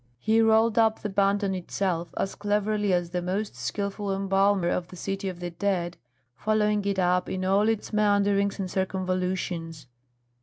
He rolled up the band on itself as cleverly as the most skilful embalmer of the City of the Dead, following it up in all its meanderings and circumvolutions.